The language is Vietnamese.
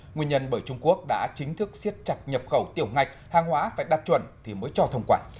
nguyên nhân bởi trung quốc đã chính thức siết chặt nhập khẩu tiểu ngạch hàng hóa phải đạt chuẩn thì mới cho thông quản